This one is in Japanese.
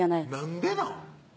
んでなん？